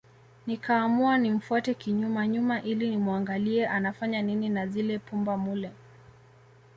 Nikaamua nimfuate kinyuma nyuma ili nimuangalie anafanya nini na zile pumba mule